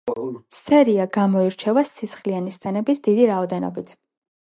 სერია გამოირჩევა სისხლიანი სცენების დიდი რაოდენობით.